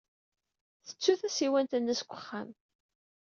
Tettu tasiwant-nnes deg uxxam.